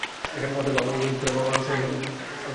অতএব, আমার ইবাদত কর এবং আমার স্মরণার্থে সালাত কায়েম কর।